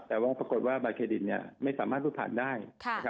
แต่ว่าปรากฏว่าบัตรเครดิตเนี่ยไม่สามารถรูปผ่านได้